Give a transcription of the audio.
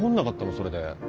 それで。